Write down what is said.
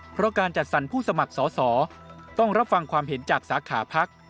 เพราะการจัดสรรผู้สมัครสอสอต้องรับฟังความเห็นจากสาขาพัก